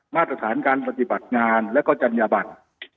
มาตรฐานการปฏิบัติงานและก็จัญญบัติ